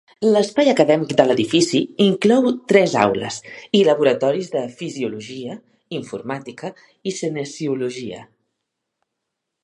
L'espai acadèmic de l'edifici inclou tres aules i laboratoris de fisiologia, informàtica i cinesiologia.